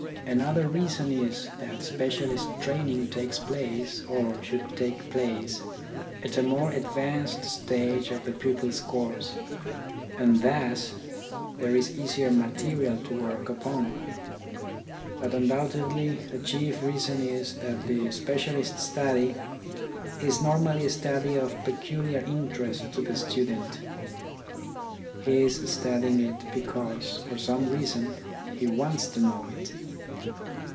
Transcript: Another reason is that specialist training takes place — or should take place — at a more advanced THE AIMS OF EDUCATION 23 stage of the pupil's course, and thus there is easier material to work upon. But undoubtedly the chief reason is that the specialist study is normally a study of peculiar interest to the student. He is studying it because, for some reason, he wants to know it.